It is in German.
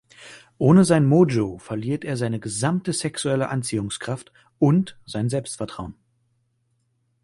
Ohne sein Mojo verliert er seine gesamte sexuelle Anziehungskraft und sein Selbstvertrauen.